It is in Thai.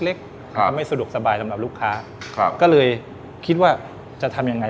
แล้วก็ไม่สะดวกสบายสำหรับลูกค้าเราก็เลยคิดว่าจะทำยังไง